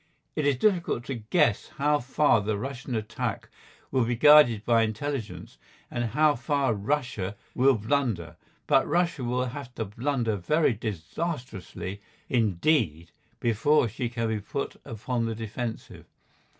It is difficult to guess how far the Russian attack will be guided by intelligence, and how far Russia will blunder, but Russia will have to blunder very disastrously indeed before she can be put upon the defensive.